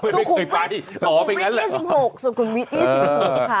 อ๋อสุขุมวิทย์๒๖สุขุมวิทย์๒๖ค่ะ